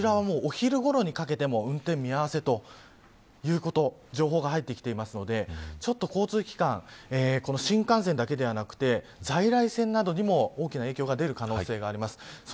こちらは、お昼ごろにかけても運転見合わせという情報が入ってきているのでちょっと交通機関新幹線だけではなくて在来線などにも大きな影響が出る可能性があります。